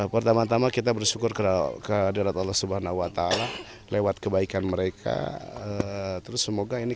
pertama tama kita bersyukur keadaan allah subhanahu wa ta'ala lewat kebaikan mereka terus semoga ini